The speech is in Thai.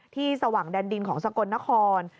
สว่างแดนดินของสกลนคร